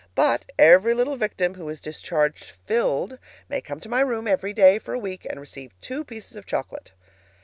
But every little victim who is discharged FILLED may come to my room every day for a week and receive two pieces of chocolate.